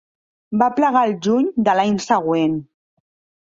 Va plegar el juny de l'any següent.